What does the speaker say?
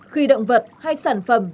khi động vật hay sản phẩm